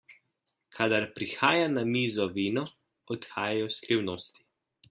Kadar prihaja na mizo vino, odhajajo skrivnosti.